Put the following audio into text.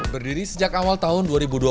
berdiri sejak awal tahun dua ribu dua puluh